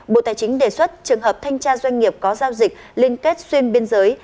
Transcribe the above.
bộ tài chính đề xuất trường hợp thanh tra doanh nghiệp có giao dịch liên kết xuyên biên giới